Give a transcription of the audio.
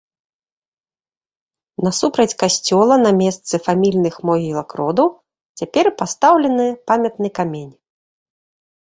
Насупраць касцёла на месцы фамільных могілак роду цяпер пастаўлены памятны камень.